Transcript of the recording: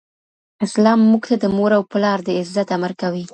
اسلام موږ ته د مور او پلار د عزت امر کوي.